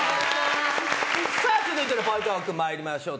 続いてのぽいトーク参りましょう。